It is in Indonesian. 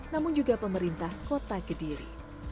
namun juga pemerintah kota kediri